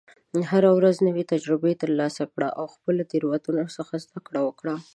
هره ورځ نوې تجربې ترلاسه کړه، او د خپلو تېروتنو څخه زده کړه وکړه.